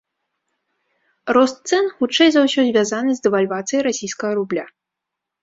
Рост цэн хутчэй за ўсё звязаны з дэвальвацыяй расійскага рубля.